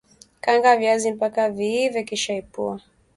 kaanga viazi mpaka viive kisha epua